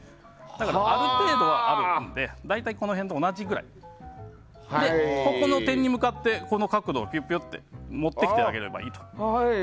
ある程度はあるので大体この辺と同じくらいでここの点に向かって、この角度をピュピュって持ってきてあげればいいと。